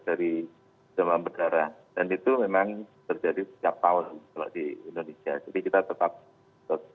jadi kita masih berada di dalam kemungkinan peningkatan kasus dari zaman berdarah